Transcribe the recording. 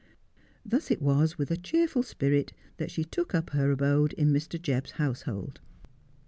Thus it was with a cheerful spirit that she took up her abode in Mr. Jebb's household.